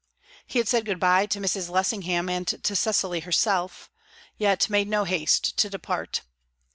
He had said good bye to Mrs. Lessingham and to Cecily herself, yet made no haste to depart.